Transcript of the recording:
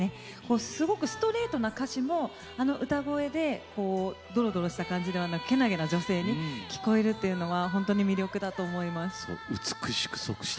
すごくストレートな歌詞もあの歌声でどろどろした感じではなくけなげな女性に聞こえるというのは本当に魅力だと思います。